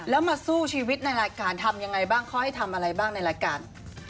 แล้วมาสู้ชีวิตในรายการทำยังไงบ้างเขาให้ทำอะไรบ้างในรายการ